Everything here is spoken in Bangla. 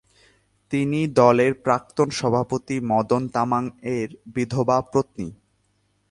তিনি দলের প্রাক্তন সভাপতি মদন তামাং-এর বিধবা পত্নী।